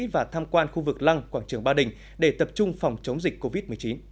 và tham quan khu vực lăng quảng trường ba đình để tập trung phòng chống dịch covid một mươi chín